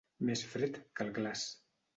Més fred que el glaç.